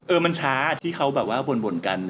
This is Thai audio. เออมันช้าที่เขาบ่นกันอะไรอย่างนี้